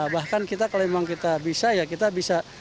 bahkan kita kalau memang kita bisa ya kita bisa